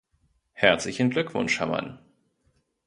Herzlichen Glückwunsch, Herr Mann!